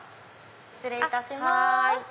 失礼いたします。